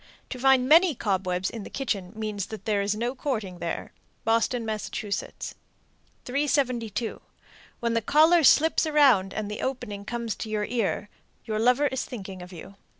To find many cobwebs in the kitchen means that there is no courting there. Boston, Mass. 372. When the collar slips around and the opening comes to the ear, your lover is thinking of you.